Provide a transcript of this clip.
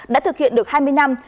đã thực hiện được hai mươi năm